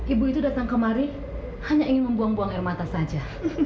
ibu itu datang kemari hanya ingin membuang buang air mata saja